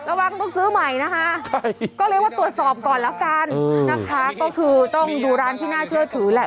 ระวังต้องซื้อใหม่นะคะก็เลยว่าตรวจสอบก่อนแล้วกันนะคะก็คือต้องดูร้านที่น่าเชื่อถือแหละ